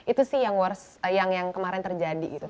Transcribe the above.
itu sih yang worst yang kemarin terjadi gitu